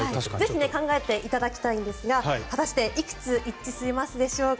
ぜひ考えていただきたいんですが果たしていくつ一致しますでしょうか。